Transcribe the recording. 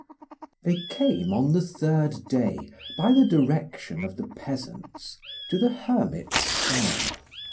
THEY came on the third day, by the direction of the peasants, to the hermit's cell.